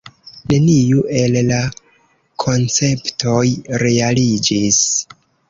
Neniu el la konceptoj realiĝis.